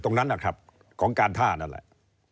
ตรงนั้นนะครับของการท่านั่นแหละ